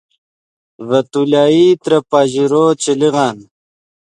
ڤے تولائی ترے پاژرو چے لیغان